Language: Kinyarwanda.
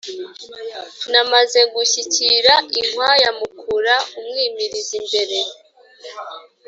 Namaze gushyikira inkwaya, mukura umwimilizi imbere,